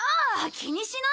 気にしないで。